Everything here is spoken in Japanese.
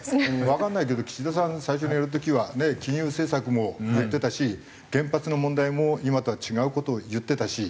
わかんないけど岸田さん最初にやる時は金融政策も言ってたし原発の問題も今とは違う事を言ってたし。